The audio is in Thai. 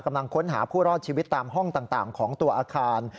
กำลังค้นหาผู้รอดชีวิตตามห้องต่างของตัวอาคาร